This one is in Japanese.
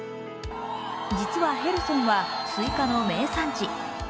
実はヘルソンはすいかの名産地。